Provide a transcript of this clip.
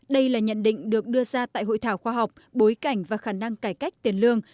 đây là nhận định được đưa ra tại hội thảo khoa học bối cảnh và khả năng cải cách tiền lương